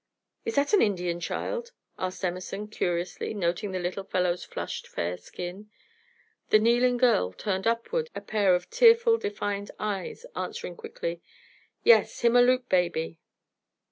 "Is that an Indian child?" asked Emerson, curiously, noting the little fellow's flushed fair skin. The kneeling girl turned upward a pair of tearful, defiant eyes, answering quickly: "Yes, him Aleut baby."